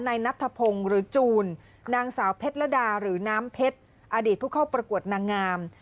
นายนัทธพงศ์หรือจูนนางสาวเพชรดาหรือน้ำเพชรอดีตผู้เข้าประกวดนางงาม